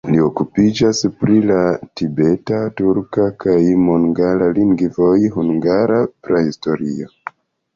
Li okupiĝas pri la tibeta, turka kaj mongola lingvoj, hungara prahistorio.